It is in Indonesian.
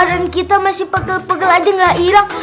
badan kita masih pegel pegel aja nggak irang